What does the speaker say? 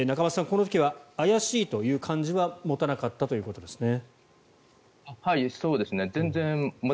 この時は怪しいという感じは持たなかったということですね。